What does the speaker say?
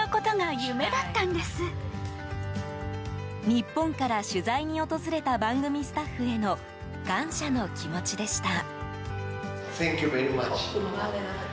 日本から取材に訪れた番組スタッフへの感謝の気持ちでした。